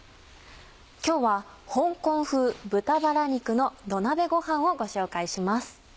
今日は「香港風豚バラ肉の土鍋ごはん」をご紹介します。